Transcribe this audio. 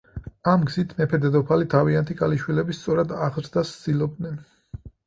ამ გზით მეფე-დედოფალი თავიანთი ქალიშვილების „სწორად აღზრდას“ ცდილობდნენ.